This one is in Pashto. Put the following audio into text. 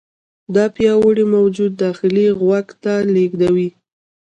دا پیاوړي موجونه داخلي غوږ ته لیږدوي.